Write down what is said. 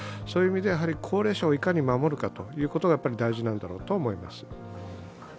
そういう意味で、高齢者をいかに守るかということが大事なんだろうと思います。